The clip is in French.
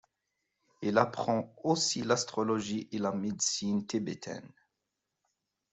Il apprend aussi l’astrologie et la médecine tibétaines.